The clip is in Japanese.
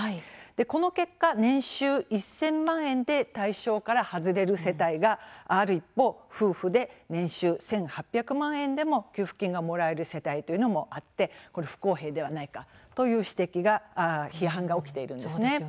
この結果、年収１０００万円で対象から外れる世帯がある一方夫婦で年収１８００万円でも給付金がもらえる世帯というのもあって不公平ではないかという批判が起きているんです。